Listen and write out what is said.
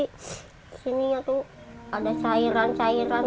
disininya tuh ada cairan cairan